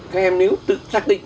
các em nếu tự xác định